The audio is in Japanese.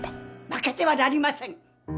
負けてはなりません！